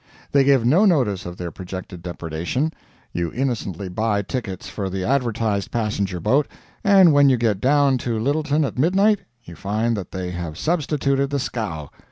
They give no notice of their projected depredation; you innocently buy tickets for the advertised passenger boat, and when you get down to Lyttelton at midnight, you find that they have substituted the scow.